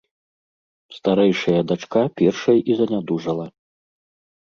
Старэйшая дачка першай і занядужала.